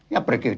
ya pergi hidup